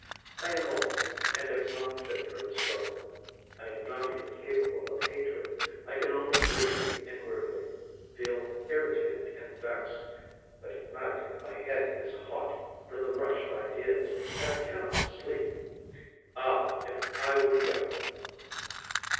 I am old and am not fit for the struggle; I am not even capable of hatred; I can only grieve inwardly, feel irritated and vexed; but at night my head is hot from the rush of ideas, and I cannot sleep.... Ah, if I were young!